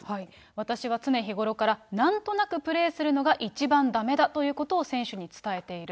私は常日頃からなんとなくプレーするのが一番だめだということを選手に伝えている。